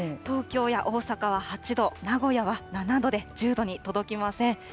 東京や大阪は８度、名古屋は７度で１０度に届きません。